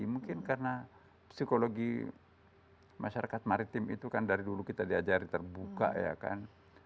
mungkin karena psikologi masyarakat maritim itu kan dari dulu kita diajari terbuka ya kan